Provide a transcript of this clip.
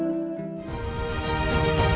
maka maka juga menenun